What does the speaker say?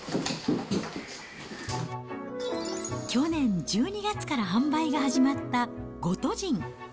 去年１２月から販売が始まったゴトジン。